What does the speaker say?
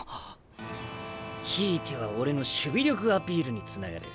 ひいては俺の守備力アピールにつながる。